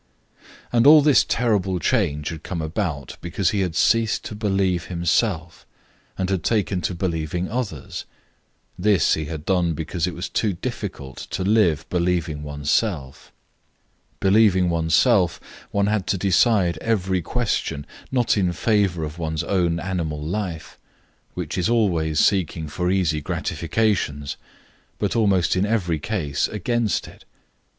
And all this terrible change had come about because he had ceased to believe himself and had taken to believing others. This he had done because it was too difficult to live believing one's self; believing one's self, one had to decide every question not in favour of one's own animal life, which is always seeking for easy gratifications, but almost in every case against it.